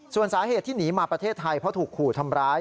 ส่วนสาเหตุที่หนีมาประเทศไทยเพราะถูกขู่ทำร้าย